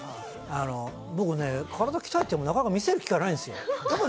僕ね、体鍛えても、なかなか見せる機会ないんですよ。